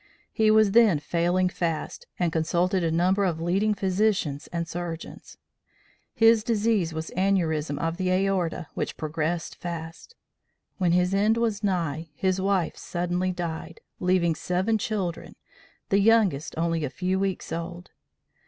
He was then failing fast and consulted a number of leading physicians and surgeons. His disease was aneurism of the aorta which progressed fast. When his end was nigh, his wife suddenly died, leaving seven children, the youngest only a few weeks old.